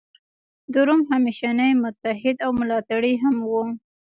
د روم همېشنی متحد او ملاتړی هم و.